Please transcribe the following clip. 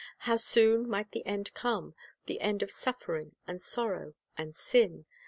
How soon might the end come, — the end of suffering and sorrow and sin!